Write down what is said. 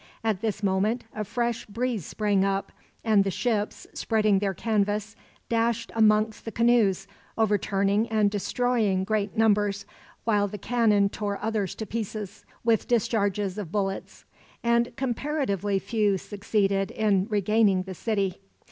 At this moment a fresh breeze sprang up; and the ships, spreading their canvas, dashed amongst the canoes, overturning and destroying great numbers; while the cannon tore others to pieces, with discharges of bullets; and comparatively few succeeded in regaining the city.